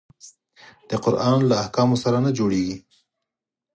د قرآن له احکامو سره نه جوړیږي.